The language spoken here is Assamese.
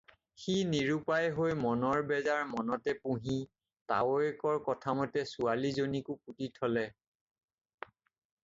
সি নিৰুপায় হৈ মনৰ বেজাৰ মনতে পুহি, তাৱৈয়েকৰ কথামতে ছোৱালীজনীকো পুতি থ'লে।